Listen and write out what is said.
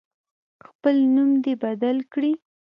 خپل نوم دی بدل کړي.